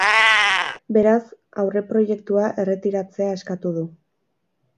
Beraz, aurreproiektua erretiratzea eskatu du.